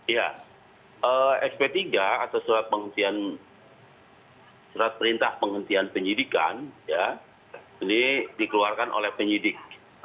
ya sp tiga atau surat perintah penghentian penyidikan ini dikeluarkan oleh penyidik